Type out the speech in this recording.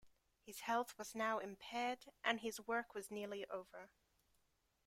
His health was now impaired and his work was nearly over.